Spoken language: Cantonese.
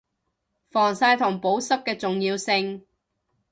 防曬同保濕嘅重要性